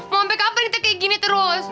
mau sampai kapal kita kayak gini terus